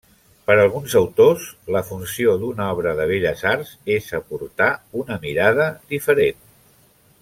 Per alguns autors, la funció d'una obra de belles arts és aportar una mirada diferent.